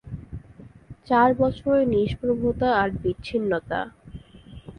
চার বছরের নিষ্প্রভতা আর বিচ্ছিন্নতা।